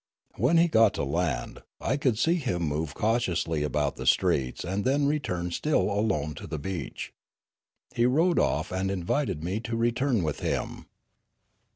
When he got to land, I could see him move cautiously about the streets and then return still alone to the beach. He rowed off, and invited me to return with him.